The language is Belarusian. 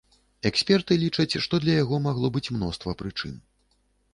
Эксперты лічаць, што для яго магло быць мноства прычын.